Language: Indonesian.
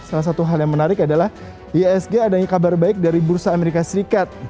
salah satu hal yang menarik adalah iasg adanya kabar baik dari bursa amerika serikat